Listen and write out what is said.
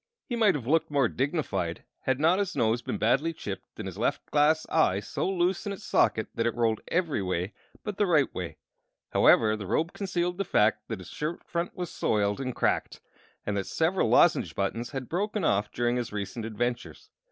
He might have looked more dignified had not his nose been badly chipped and his left glass eye so loose in its socket that it rolled every way but the right way; however, the robe concealed the fact that his shirt front was soiled and cracked, and that several lozenge buttons had broken off during his recent adventures.